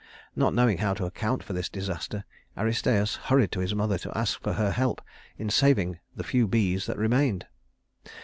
Not knowing how to account for this disaster, Aristæus hurried to his mother to ask her help in saving the few bees that remained.